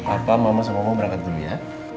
apa mama sama oma berangkat dulu ya